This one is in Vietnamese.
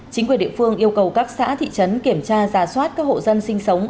chính quyền địa phương yêu cầu các xã thị trấn kiểm tra giả soát các hộ dân sinh sống